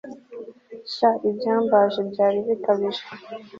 sha ibyambaje byari bikabije